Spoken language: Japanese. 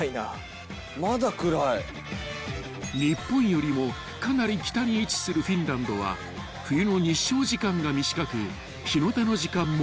［日本よりもかなり北に位置するフィンランドは冬の日照時間が短く日の出の時間も遅い］